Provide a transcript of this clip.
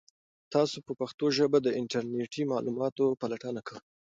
تاسو په پښتو ژبه د انټرنیټي معلوماتو پلټنه کوئ؟